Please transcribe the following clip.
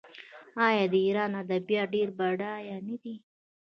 آیا د ایران ادبیات ډیر بډایه نه دي؟